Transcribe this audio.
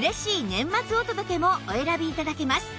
年末お届けもお選び頂けます